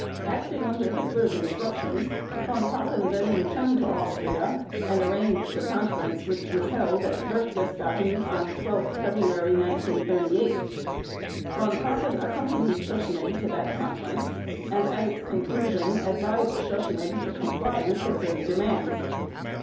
Acting under Hitler's instructions, Von Papen then returned to Austria and arranged the conference which was held at Berchtesgaden on 12 February 1938. Von Papen accompanied Schuschnigg to that conference, and at its conclusion advised Schuschnigg to comply with Hitler's demands.